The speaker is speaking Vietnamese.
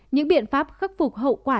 những biện pháp khắc phục hậu quả